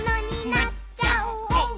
「なっちゃおう」